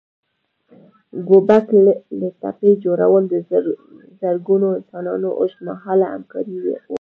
ګوبک لي تپې جوړول د زرګونو انسانانو اوږد مهاله همکاري وه.